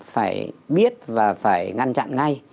phải biết và phải ngăn chặn ngay